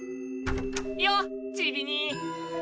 よっちびにい。